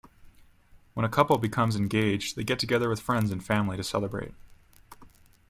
When a couple becomes engaged, they get together with friends and family to celebrate.